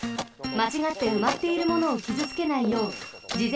まちがってうまっているものをきずつけないようじ